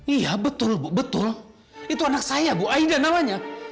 iya betul bu betul itu anak saya bu aida namanya